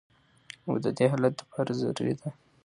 او د دې حالت د پاره ضروري ده